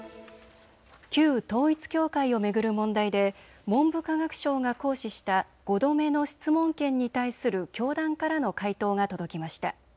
旧統一教会を巡る問題で文部科学省が行使した５度目の質問権に対する教団からの回答が届きました。